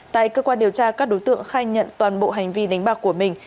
tại cơ quan điều tra các đối tượng khai nhận toàn bộ hành vi đánh bạc của mình